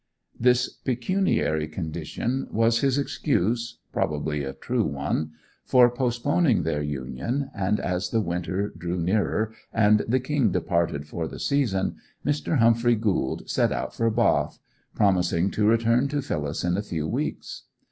This pecuniary condition was his excuse—probably a true one—for postponing their union, and as the winter drew nearer, and the King departed for the season, Mr. Humphrey Gould set out for Bath, promising to return to Phyllis in a few weeks.